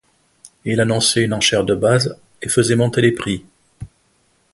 Il annonçait une enchère de base et faisait monter les prix.